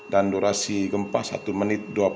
dan durasi gempa satu menit dua puluh tiga